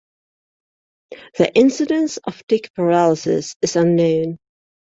The incidence of tick paralysis is unknown.